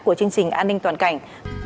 của chương trình an ninh toàn cảnh